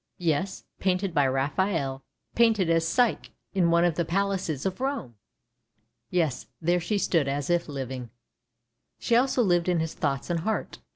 Yes — painted by Raphael, painted as Psyche, in one of the palaces of Rome! Yes — there she stood as if living! She also lived in his thoughts and heart.